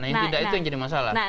nah yang tidak itu yang jadi masalah